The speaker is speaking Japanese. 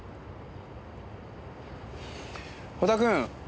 織田君